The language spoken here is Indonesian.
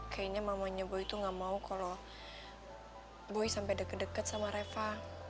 kayaknya mamanya boy itu gak mau kalau boy sampai deket deket sama reva